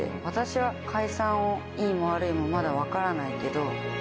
私は解散をいいも悪いもまだ分からないけど。